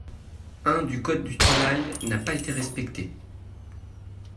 un du code du travail n’a pas été respecté.